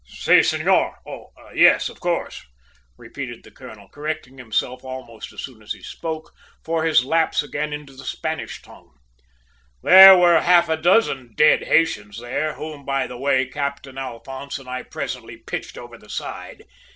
"Si, senor. Oh yes, of course," repeated the colonel, correcting himself almost as soon as he spoke for his lapse again into the Spanish tongue. "There were half a dozen dead Haytians there, whom, by the way, Captain Alphonse and I presently pitched over the side!